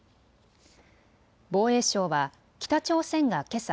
防衛省は北朝鮮がけさ